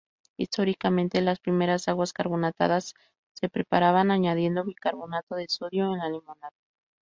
Históricamente, las primeras aguas carbonatadas se preparaban añadiendo bicarbonato de sodio a la limonada.